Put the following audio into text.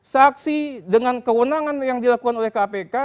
saksi dengan kewenangan yang dilakukan oleh kpk